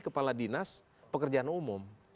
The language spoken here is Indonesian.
kepala dinas pekerjaan umum